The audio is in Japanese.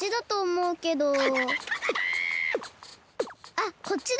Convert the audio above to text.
あこっちだ！